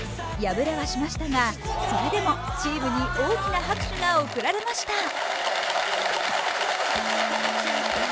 敗れはしましたが、それでもチームに大きな拍手が送られました。